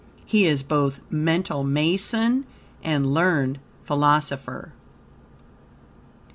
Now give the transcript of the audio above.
He is both Mental Mason and learned philosopher.